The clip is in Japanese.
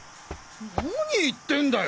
何言ってんだよ！